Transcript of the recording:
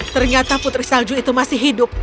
ternyata putri salju itu masih hidup